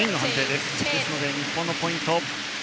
ですので、日本のポイント。